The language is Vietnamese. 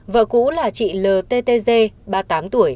vợ cũ là chị lttz ba mươi tám tuổi